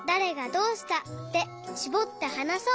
「どうした」でしぼってはなそう！